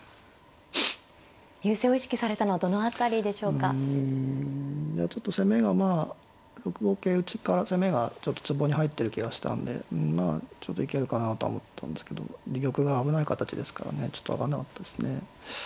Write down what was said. うんいやちょっと攻めがまあ６五桂打から攻めがちょっとつぼに入ってる気がしたんでまあちょっといけるかなとは思ったんですけど自玉が危ない形ですからねちょっと分かんなかったですね。